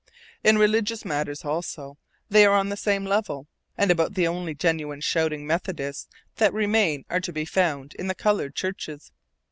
In religious matters, also, they are on the same level, and about the only genuine shouting Methodists that remain are to be found in the colored churches.